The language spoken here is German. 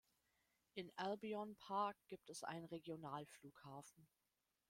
In Albion Park gibt es einen Regionalflughafen.